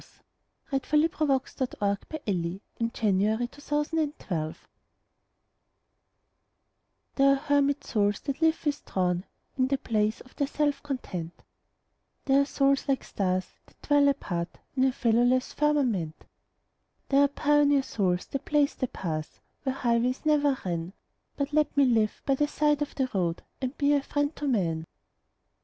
K L . M N . O P . Q R . S T . U V . W X . Y Z The House by the Side of the Road THERE are hermit souls that live withdrawn In the place of their self content; There are souls like stars, that dwell apart, In a fellowless firmament; There are pioneer souls that blaze the paths Where highways never ran But let me live by the side of the road And be a friend to man.